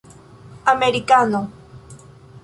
amerikano